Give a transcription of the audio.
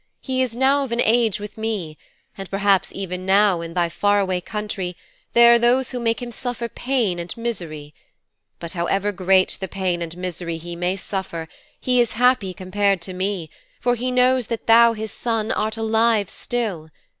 He is now of an age with me, and perhaps even now, in thy far away country, there are those who make him suffer pain and misery. But however great the pain and misery he may suffer he is happy compared to me, for he knows that thou, his son, art still alive.